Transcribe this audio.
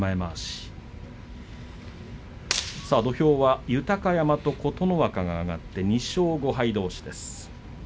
土俵は豊山と琴ノ若が上がって、２勝５敗どうしです。